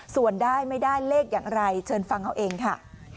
ส่วนได้ไม่ได้เลขอย่างไรเชิญฟังเอาเองค่ะ